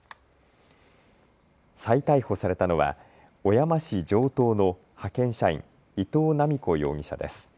再逮捕されたのは小山市城東の派遣社員、伊藤七美子容疑者です。